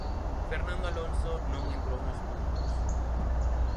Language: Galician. Fernando Alonso non entrou nos puntos.